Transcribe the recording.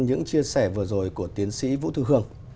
những chia sẻ vừa rồi của tiến sĩ vũ thư hương